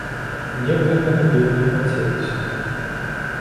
Мне б гэтага вельмі хацелася.